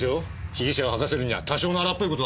被疑者を吐かせるには多少の荒っぽい事は。